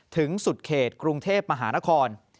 ถึงสุดเขตกรุงเทพมหานคร